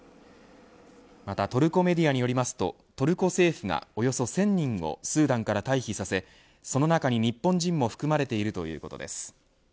またトルコメディアによりますとトルコ政府がおよそ１０００人をスーダンから退避させその中に日本人も含まれているということです。